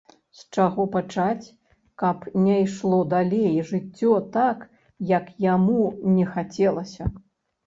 З чаго пачаць, каб не ішло далей жыццё так, як яму не хацелася?